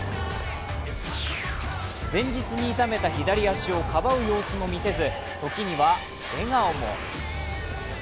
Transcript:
前日に痛めた左足をかばう様子も見せず時には笑顔も。